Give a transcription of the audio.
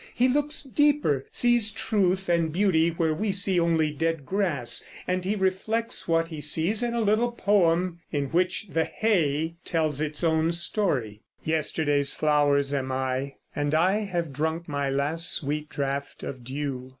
He looks deeper, sees truth and beauty where we see only dead grass, and he reflects what he sees in a little poem in which the hay tells its own story: Yesterday's flowers am I, And I have drunk my last sweet draught of dew.